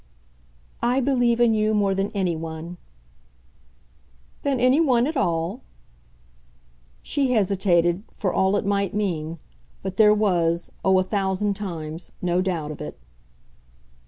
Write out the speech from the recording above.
"I believe in you more than any one." "Than any one at all?" She hesitated, for all it might mean; but there was oh a thousand times! no doubt of it.